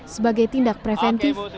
sebagai tindak preventif